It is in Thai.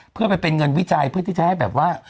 เพื่อไปเป็นเงินวิจัยเพื่อที่จะให้แบบว่า